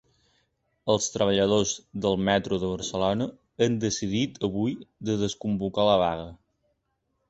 Els treballadors del metro de Barcelona han decidit avui de desconvocar la vaga.